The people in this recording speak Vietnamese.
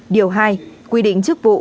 điều hai quy định chức vụ